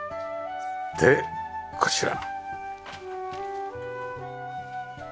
でこちら。